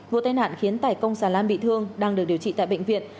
vụ tai nạn khiến tài công xà lan bị thương đang được điều trị tại bệnh viện